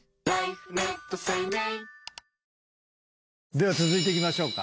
では続いていきましょうか。